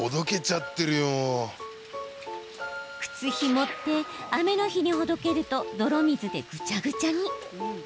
靴ひもって雨の日にほどけると泥水でぐちゃぐちゃに。